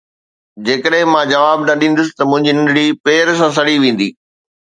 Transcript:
جيڪڏهن مان جواب نه ڏيندس ته منهنجي ننڍڙي پير سان سڙي ويندي.